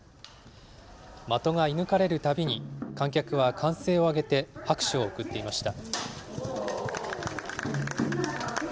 的が射抜かれるたびに、観客は歓声を上げて、拍手を送っていました。